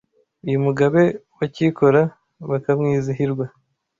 Uyu Mugabe wa Cyikora Bakamwizihirwa